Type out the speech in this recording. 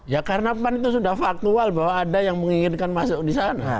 ya karena pan itu sudah faktual bahwa ada yang menginginkan masuk di sana